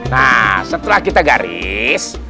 nah setelah kita garis